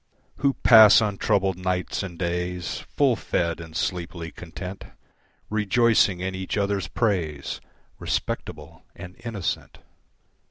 Who pass untroubled nights and days Full fed and sleepily content, Rejoicing in each other's praise, Respectable and innocent.